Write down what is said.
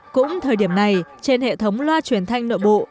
cũng thời điểm này trên hệ thống loa truyền thanh nội bộ